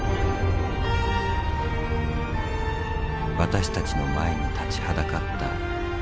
私たちの前に立ちはだかった崖。